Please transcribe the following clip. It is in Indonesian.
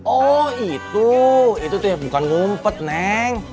oh itu itu tuh ya bukan ngumpet neng